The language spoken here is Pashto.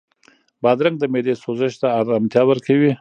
بادرنګ د معدې سوزش ته ارامتیا ورکوي.